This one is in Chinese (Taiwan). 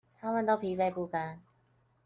他們都疲憊不堪